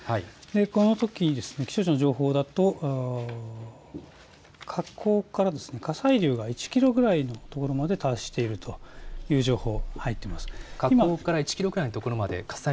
このとき気象庁の情報だと火口から火砕流が１キロくらいの所まで達しているという情報が入っています。